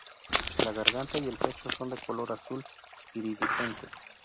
La garganta y el pecho son de color azul iridiscente.